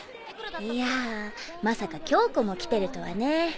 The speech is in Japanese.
いやぁまさか恭子も来てるとはねぇ。